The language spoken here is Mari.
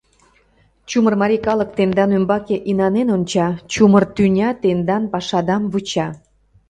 Чумыр марий калык тендан ӱмбаке инанен онча, чумыр тӱня тендан пашадам вуча.